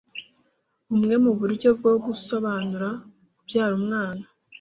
Bumwe mu buryo bwo gusobanura kubyara Umwana